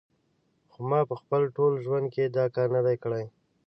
خو ما په خپل ټول ژوند کې دا کار نه دی کړی